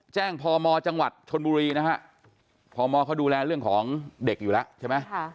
พมจังหวัดชนบุรีนะฮะพมเขาดูแลเรื่องของเด็กอยู่แล้วใช่ไหม